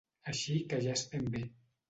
Així que ja estem bé.